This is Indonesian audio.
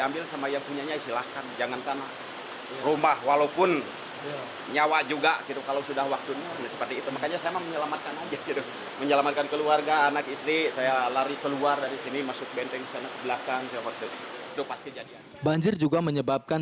banjir juga menyebabkan jembatan dan banjir di jawa barat